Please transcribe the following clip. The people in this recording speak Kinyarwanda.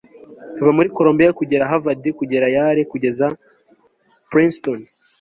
kuva muri columbia kugera harvard kugera yale kugeza princeton